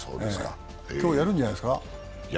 今日やるんじゃないですか。